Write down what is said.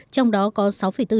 trong đó có sáu bốn triệu liều